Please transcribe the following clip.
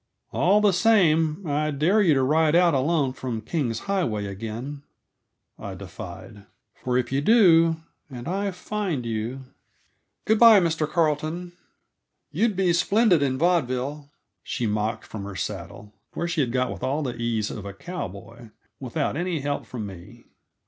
"All the same, I dare you to ride out alone from King's Highway again," I defied. "For, if you do, and I find you " "Good by, Mr. Carleton. You'd be splendid in vaudeville," she mocked from her saddle, where she had got with all the ease of a cowboy, without any help from me.